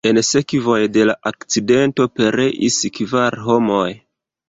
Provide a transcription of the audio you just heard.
En sekvoj de la akcidento pereis kvar homoj.